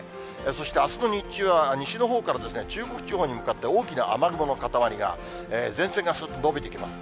そしてあすの日中は西のほうから中国地方に向かって大きな雨雲の固まりが、前線がすっと延びてきます。